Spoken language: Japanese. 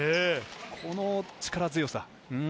この力強さ。